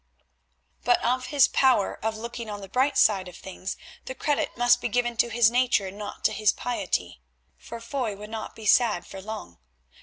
But of this power of looking on the bright side of things the credit must be given to his nature and not to his piety, for Foy could not be sad for long.